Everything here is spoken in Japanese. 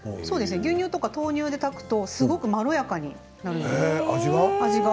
牛乳や豆乳で炊くとすごくまろやかになるんです味が。